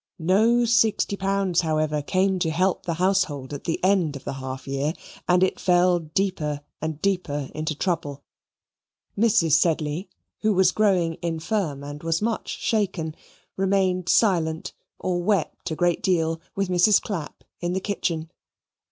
No sixty pounds, however, came to help the household at the end of the half year, and it fell deeper and deeper into trouble Mrs. Sedley, who was growing infirm and was much shaken, remained silent or wept a great deal with Mrs. Clapp in the kitchen.